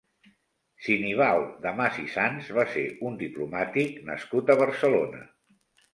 Sinibald de Mas i Sans va ser un diplomàtic nascut a Barcelona.